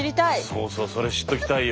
そうそうそれ知っときたいよ。